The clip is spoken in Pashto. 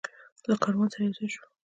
له کاروان سره یوځای شو.